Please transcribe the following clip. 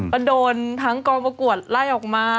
ก็โดนทั้งกองประกวดไล่ออกมา